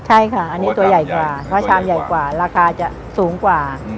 ใช่อันนี้บอกว่าตัวใหญ่ของเราเขาใช้มีชามใหญ่ราคาจะสูงกว่า